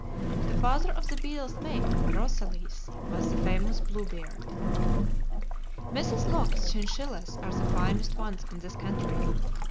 The father of The Beadle's mate, Rosalys, was the famous "Bluebeard." Mrs. Locke's chinchillas are the finest ones in this country.